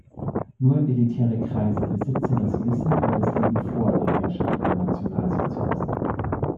Nur elitäre Kreise besitzen das Wissen über das Leben vor der Herrschaft der Nationalsozialisten.